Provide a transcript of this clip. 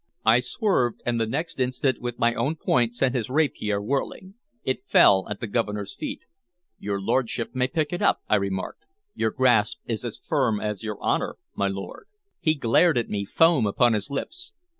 I swerved, and the next instant with my own point sent his rapier whirling. It fell at the Governor's feet. "Your lordship may pick it up," I remarked. "Your grasp is as firm as your honor, my lord." He glared at me, foam upon his lips.